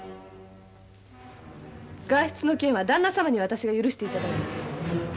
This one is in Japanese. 外出の件はだんな様に私が許していただいたんです。